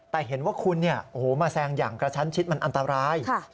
แต่เห็นว่าคุณมาแซงอย่างกระชั้นชิดมันอันตราย